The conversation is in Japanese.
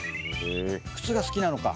靴が好きなのか。